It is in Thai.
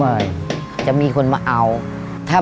จะมีคนมาเอาถ้าไม่มีเครื่องของมาเราก็ทำเอง